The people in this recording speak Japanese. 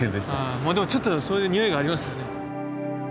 まあでもちょっとそういうにおいがありますよね。